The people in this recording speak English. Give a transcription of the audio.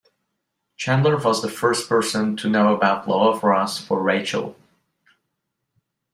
Chandler was the first person to know about love of Ross fro rachel.